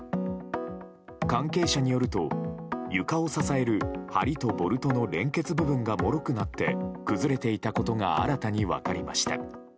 関係者によると床を支える梁とボルトの連結部分がもろくなって崩れていたことが新たに分かりました。